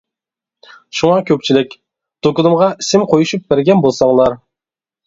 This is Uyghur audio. شۇڭا كۆپچىلىك دۇكىنىمغا ئىسىم قويۇشۇپ بەرگەن بولساڭلار.